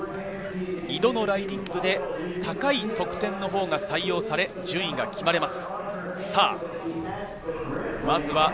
２度のライディングで高い得点のほうが採用され、順位が決まります。